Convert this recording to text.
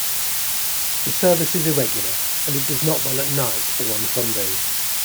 The service is irregular, and it does not run at night or on Sundays.